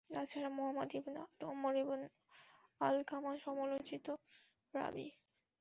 তাছাড়া Muhammad ibn Amr ibn Alqama সমালোচিত রাবী।